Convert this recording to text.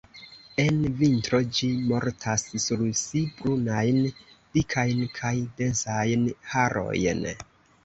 En vintro ĝi portas sur si brunajn, dikajn kaj densajn harojn.